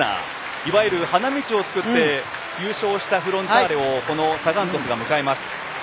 いわゆる花道を作って優勝したフロンターレをサガン鳥栖が迎えます。